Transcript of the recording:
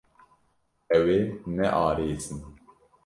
Ew ê nearêsin.